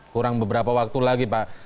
kurang beberapa waktu lagi pak